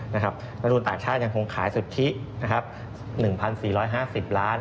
รัฐนูลต่างชาติยังคงขายสุทธิ๑๔๕๐ล้าน